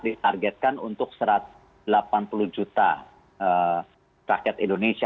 ditargetkan untuk satu ratus delapan puluh juta rakyat indonesia